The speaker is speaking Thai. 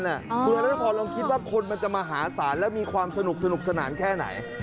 เมื่อแล้วพอลองคิดว่าคนมันจะมาหาศาลแล้วมีความสนุกสนุกสนานแค่ไหน